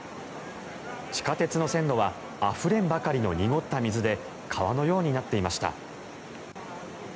地下鉄の線路はあふれんばかりの濁った水で川のようになっていました。